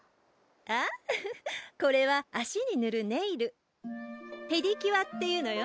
あフフッこれは足にぬるネイルペディキュアっていうのよ